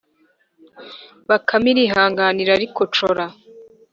” Bakame irihangana irarikocora